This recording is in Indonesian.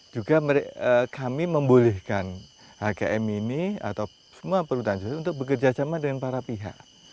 juga kami membolehkan hgm ini atau semua perhutanan sosial untuk bekerja sama dengan para pihak